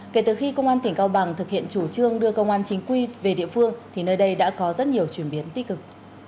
kể từ khi công an tỉnh cao bằng thực hiện chủ trương đưa công an chính quy về địa phương thì nơi đây đã có rất nhiều chuyển biến tích cực